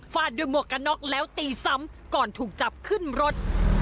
ด้วยหมวกกันน็อกแล้วตีซ้ำก่อนถูกจับขึ้นรถ